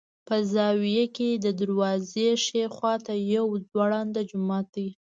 په زاویه کې د دروازې ښي خوا ته یو ځوړند جومات دی.